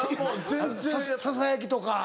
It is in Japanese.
ささやきとか。